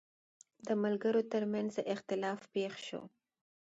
د ملګرو ترمنځ اختلاف پېښ شو.